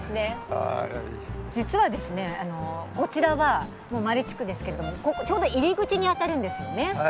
実はこちらはマレ地区ですけどちょうど入り口にあたるんですよね。